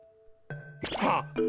はっ！